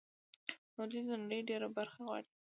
نو دوی د نړۍ ډېره برخه غواړي